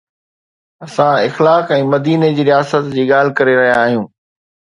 اسان اخلاق ۽ مديني جي رياست جي ڳالهه ڪري رهيا آهيون